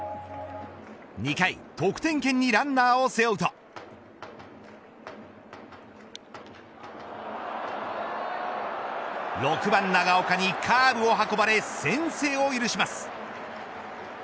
２回、得点圏にランナーを背負うと６番、長岡にカーブを運ばれ先制を許します。